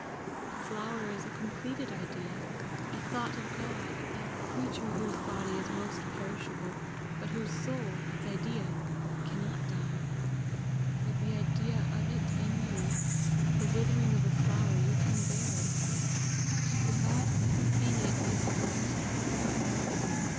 A flower is a completed idea, a thought of God, a creature whose body is most perishable, bat whose soul, its idea, cannot die. With the idea of it in you, the withering of the flower you can bear. The God in it is yours always.